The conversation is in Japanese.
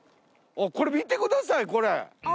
これ見てくださいこれ。